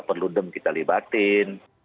perludem kita libatin